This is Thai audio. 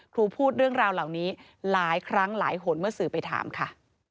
ครูพูดเรื่องราวเหล่านี้หลายครั้งหลายหนเมื่อสื่อไปถามค่ะ